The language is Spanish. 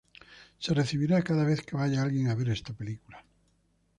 Se recibirá cada vez que vaya alguien a ver esta película.